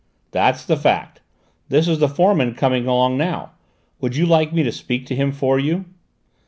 "That's the fact; this is the foreman coming along now: would you like me to speak to him for you?"